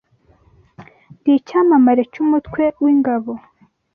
Ndi icyamamare cy'umutwe w,ingabo